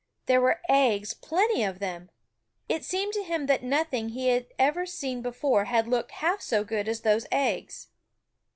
There were eggs, plenty of them. It seemed to him that nothing he had ever seen before had looked half so good as those eggs.